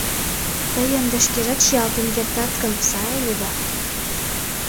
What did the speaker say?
— Тый ынде шкежат чиялтен кертат гын, сай ыле да...»